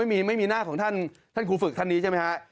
อ้าวไม่มีหน้าของท่านท่านครูฝึกท่านนี้ใช่ไหมครับ